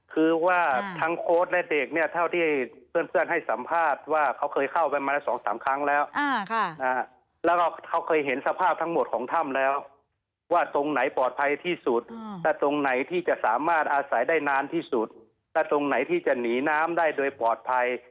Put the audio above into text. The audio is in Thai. คือว่าทั้งโอ๊ตและเด็กเนี่ยเท่าที่เพื่อนให้สัมภาษณ์ว่าเขาเคยเข้าไปมาละสองสามครั้งแล้วแล้วก็เขาเคยเห็นสภาพทั้งหมดของถ้ำแล้วว่าตรงไหนปลอดภัยที่สุดถ้าตรงไหนที่จะสามารถอาศัยได้นานที่สุดถ้าตรงไหนที่จะหนีน้ำได้โดยปลอดภัย